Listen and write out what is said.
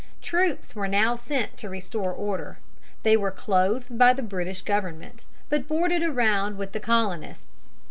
Troops were now sent to restore order. They were clothed by the British government, but boarded around with the Colonists.